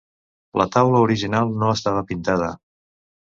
La taula original no estava pintada.